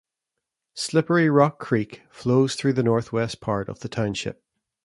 Slippery Rock Creek flows through the northwest part of the township.